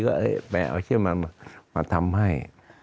ก็เอาเชี่ยวมาทำให้